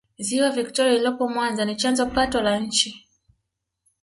ziwa victoria lililopo mwanza ni chanzo pato la nchi